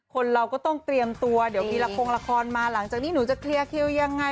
คนเราก็ต้องเตรียมตัวเดี๋ยวทีละคงละครละครมาหลังจากนี้หนูจะเคลียร์คิวยังไง